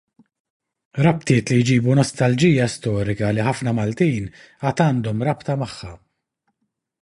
Rabtiet li jġibu nostalġija storika li ħafna Maltin għad għandhon rabta magħha.